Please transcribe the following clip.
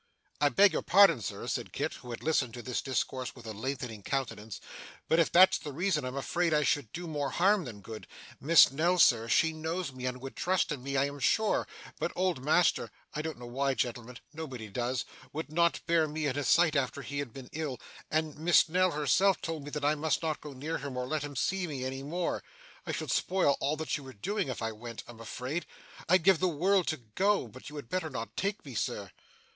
'I beg your pardon, Sir,' said Kit, who had listened to this discourse with a lengthening countenance, 'but if that's the reason, I'm afraid I should do more harm than good Miss Nell, Sir, she knows me, and would trust in me, I am sure; but old master I don't know why, gentlemen; nobody does would not bear me in his sight after he had been ill, and Miss Nell herself told me that I must not go near him or let him see me any more. I should spoil all that you were doing if I went, I'm afraid. I'd give the world to go, but you had better not take me, Sir.